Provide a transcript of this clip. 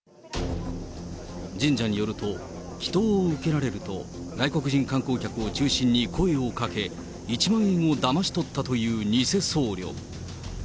神社によると、祈とうを受けられると外国人観光客を中心に声をかけ、１万円をだまし取ったという偽僧侶。